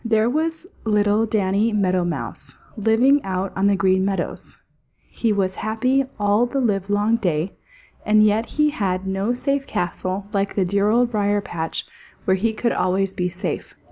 There was little Danny Meadow Mouse, living out on the Green Meadows; he was happy all the livelong day, and yet he had no safe castle like the dear Old Briar patch where he could always be safe.